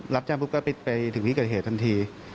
รับแจ้งพวกก็ปิดไปถึงที่กะเทศทันที